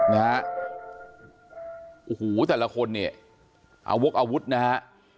นะฮะโอ้โหแต่ละคนเนี่ยเอาวกอาวุธนะฮะ